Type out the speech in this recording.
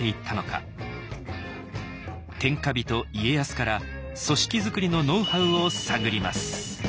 天下人家康から組織づくりのノウハウを探ります。